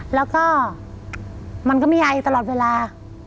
แล้วก็มันก็มีไยตลอดเวลา